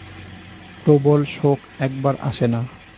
প্রবল শোক একবার আসে না।